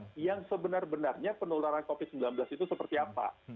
nah pun yang sebenarnya penularan covid sembilan belas seperti apa